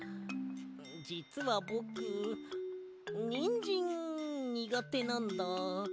じつはぼくニンジンにがてなんだ。